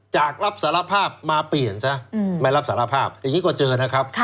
จากรับสารภาพมาเปลี่ยนซะไม่รับสารภาพอย่างนี้ก็เจอนะครับ